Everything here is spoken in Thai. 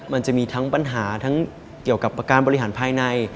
มันจะมีทั้งปัญหาทั้งเกี่ยวกับประการบริหารภายใน